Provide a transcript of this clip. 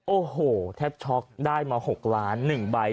โอ้โหแทบช็อกได้มา๖ล้าน๑ใบ